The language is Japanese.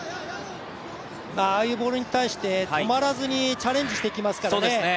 ああいうボールに対して止まらずにチャレンジしていきますからね。